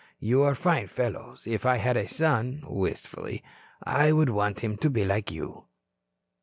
You are fine fellows. If I had a son" wistfully "I would want him to be like you."